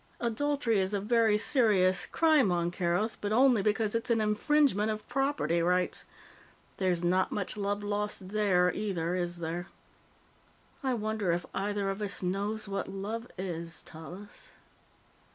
Adultery is a very serious crime on Kerothi, but only because it's an infringement of property rights. There's not much love lost there, either, is there? "I wonder if either of us knows what love is, Tallis?"